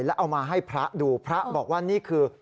แล้วเอามาให้พระดูพระบอกว่านี่คือ